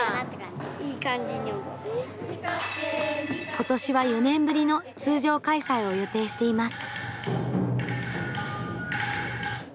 今年は４年ぶりの通常開催を予定しています。